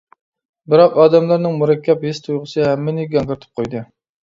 بىراق، ئادەملەرنىڭ مۇرەككەپ ھېس تۇيغۇسى ھەممىنى گاڭگىرىتىپ قويدى.